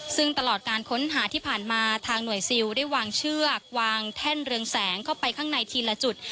ซึ่งตลอดการค้นหาที่ผ่านมาทางหน่วยซิลได้วางเชือกวางแท่นเรืองแสงเข้าไปข้างในทีละจุด